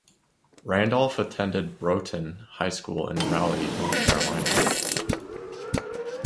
Randolph attended Broughton High School in Raleigh, North Carolina.